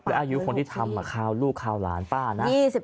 คืออายุคนที่ทำลูกขาวหลานป้านะ